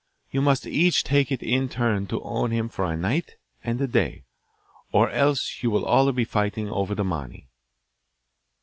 'You must each take it in turn to own him for a night and a day, or else you will all be fighting over the money.